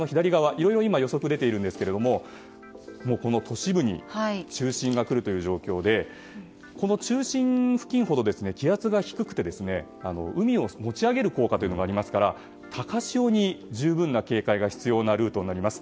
いろいろ今予測が出ていますが都市部に中心が来るという状況でこの中心付近ほど気圧が低くて海を持ち上げる効果というのがありますから高潮に十分な警戒が必要なルートです。